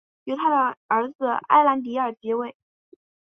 由他的儿子埃兰迪尔接位。